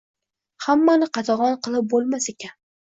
hammani qatag‘on qilib bo‘lmas ekan.